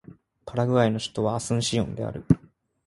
パラグアイの首都はアスンシオンである